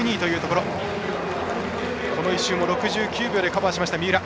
この１周も６２秒でカバーした三浦。